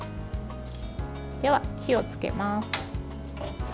では、火をつけます。